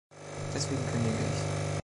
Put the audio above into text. Deswegen kündige ich.